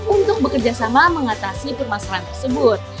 untuk bekerjasama mengatasi permasalahan tersebut